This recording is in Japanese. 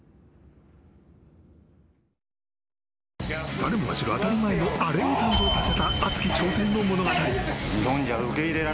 誰もが知る当たり前のあれを誕生させた熱き挑戦の物語。